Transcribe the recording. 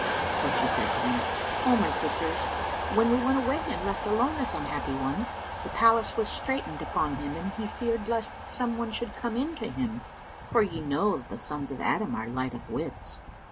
So she said to them, "O my sisters, when we went away and left alone this unhappy one, the palace was straitened upon him and he feared lest some one should come in to him, for ye know that the sons of Adam are light of wits.